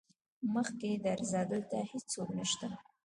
مخکې درځه دلته هيڅوک نشته.